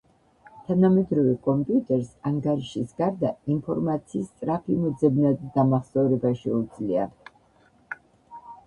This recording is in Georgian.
თანამედროვე კომპიუტერს ანგარიშის გარდა, ინფორმაციის სწრაფი მოძებნა და დამახსოვრება შეუძლია